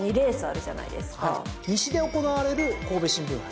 西で行われる神戸新聞杯。